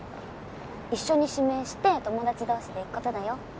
一緒に指名して友達同士で行くことだよ。